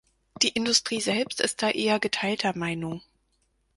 Die Industrie selbst ist da eher geteilter Meinung.